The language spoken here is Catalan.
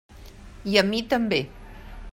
I a mi també.